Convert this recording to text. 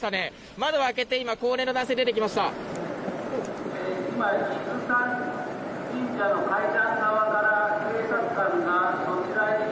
窓を開けて今高齢の男性が出てきました。